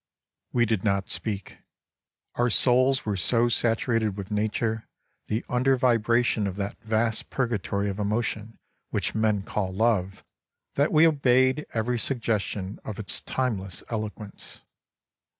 We did not speak. Our souls were so saturated with nature, the under vibration of that vast purgatory of emo tion which men call love, that we obeyed every suggestion of its timeless eloquence.